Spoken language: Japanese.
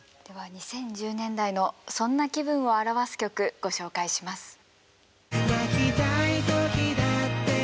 では２０１０年代のそんな気分を表す曲ご紹介します。